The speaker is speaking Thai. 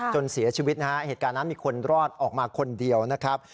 จนเสียชีวิตนะฮะเหตุการณ์นั้นมีคนรอดออกมาคนเดียวนะครับ